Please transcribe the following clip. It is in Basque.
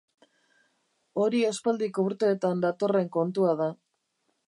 Hori aspaldiko urteetan datorren kontua da.